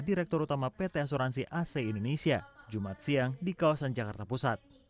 direktur utama pt asuransi ac indonesia jumat siang di kawasan jakarta pusat